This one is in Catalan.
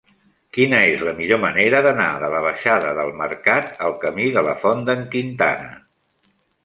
Quina és la millor manera d'anar de la baixada del Mercat al camí de la Font d'en Quintana?